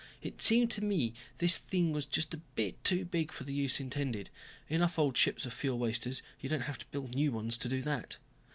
It seemed to me this thing was just too big for the use intended. Enough old ships are fuel wasters, you don't have to build new ones to do that.